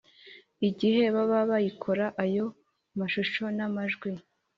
igihe baba bayikora Ayo mashusho n amajwi